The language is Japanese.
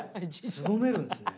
すぼめるんですね